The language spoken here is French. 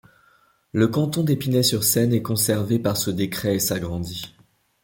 Le canton d'Épinay-sur-Seine est conservé par ce décret et s'agrandit.